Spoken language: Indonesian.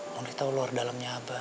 mondi tahu luar dalemnya abah